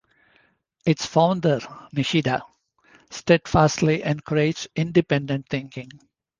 Its founder, Nishida, steadfastly encouraged independent thinking.